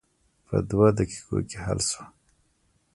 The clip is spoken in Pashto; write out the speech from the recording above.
په دوه دقیقو کې حل شوه.